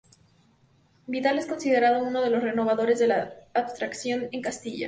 Vidal es considerado uno de los renovadores de la abstracción en Castilla.